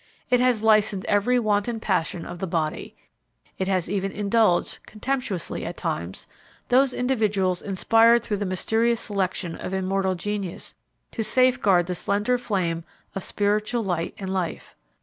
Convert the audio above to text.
It has licensed every wanton passion of the body. It has even indulged, contemptuously at times, those individuals inspired through the mysterious selection of immortal genius to safeguard the slender flame of spiritual light and life.